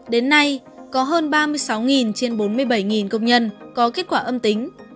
đến nay có hơn ba mươi sáu trên bốn mươi bảy công nhân có kết quả âm tính